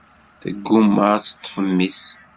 Tegguma ad teṭṭef imi-s.